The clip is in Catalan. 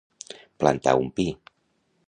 Plantar un pi.